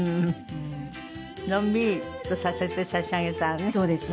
のんびりさせてさしあげたらね。